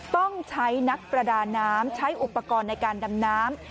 ต้องใช้นักประดาน้ำใช้อุปกรณ์ในการดำน้ำ